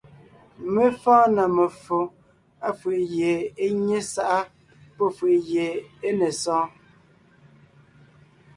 Mé fɔ́ɔn na meffo, áfʉ̀ʼ gie é nyé sáʼa pɔ́ fʉ̀ʼʉ gie é ne sɔɔn: